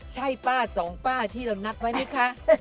ใช่ป้าสองป้าที่เรานัดไว้ไหมคะ